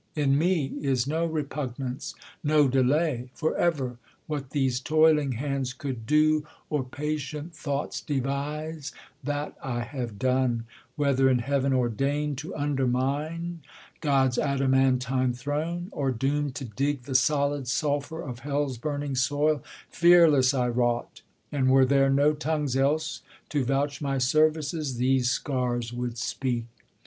In me fs no repugnance, no delay ; For ever what these toiline: hands could do ©r THE COLUMBIAN' ORATOR ^^13 Or patient thoughts devise, that I have done ; Whether in heaven ordain'd to undermine God's adamantine throne, ©r doom'd to dig. The solid sulphur of hell's burning soil, Fearless I wrought, and, were there no tongues else To vouch my services, these scars would speak.